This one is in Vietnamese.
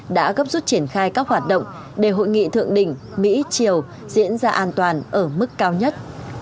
đã gấp rút triển khai các hoạt động để hội nghị thượng đỉnh mỹ chiều diễn ra an toàn ở mức cao nhất